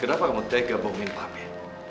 kenapa kamu tega bohongin papi